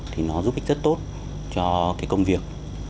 thì nó giúp ích rất tốt cho cái công việc